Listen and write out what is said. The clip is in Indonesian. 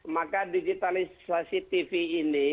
maka digitalisasi tv ini